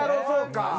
そうか。